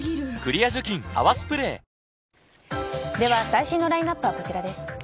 最新のラインアップはこちらです。